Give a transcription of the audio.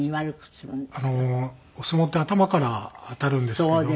お相撲って頭から当たるんですけれども。